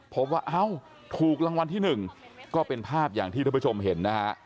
พบว่าเอ้าถูกรางวัลที่๑ก็เป็นภาพอย่างที่ท่านผู้ชมเห็นนะฮะ